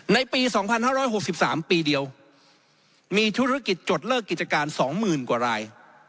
ในปี๒๕๖๓ปีเดียวมีธุรกิจจดเลิกกิจการ๒๐๐๐กว่าราย